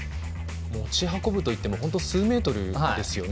持ち運ぶといっても数メートルですよね。